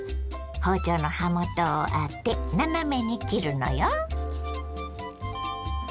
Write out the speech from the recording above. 包丁の刃元を当て斜めに切るのよ。